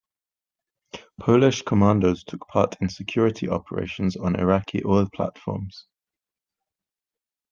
Polish commandos took part in security operations on Iraqi Oil Platforms.